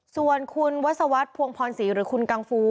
ส่วนคุณวัศวรรษภวงพรศรีหรือคุณกังฟู